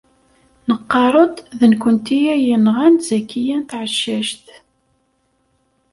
Nqarr-d d nekkenti ay yenɣan Zakiya n Tɛeccact.